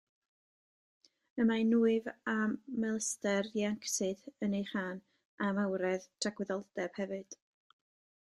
Y mae nwyf a melyster ieuenctid yn ei chân, a mawredd tragwyddoldeb hefyd.